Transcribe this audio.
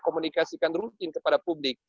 komunikasikan rutin kepada publik